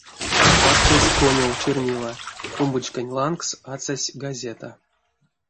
Варчась конёв, чернила, тумбочканть лангс ацась газета.